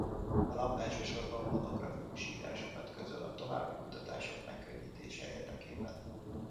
A lap elsősorban monografikus írásokat közöl a további kutatások megkönnyítése érdekében.